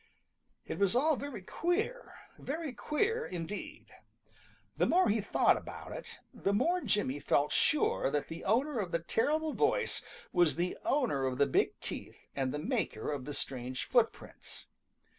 It was all very queer, very queer indeed. The more he thought about it, the more Jimmy felt sure that the owner of the terrible voice was the owner of the big teeth and the maker of the strange footprints.